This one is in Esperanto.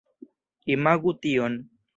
Imagu tion